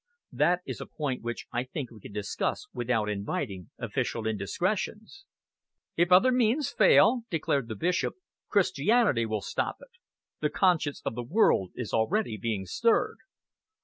That is a point which I think we can discuss without inviting official indiscretions." "If other means fail," declared the Bishop, "Christianity will stop it. The conscience of the world is already being stirred."